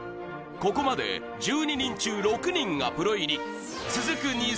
ここまで１２人中６人がプロ入り続く